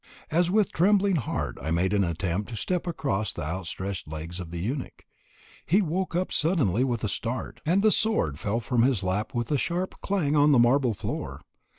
As with trembling heart I made an attempt to step across the outstretched legs of the eunuch, he woke up suddenly with a start, and the sword fell from his lap with a sharp clang on the marble floor.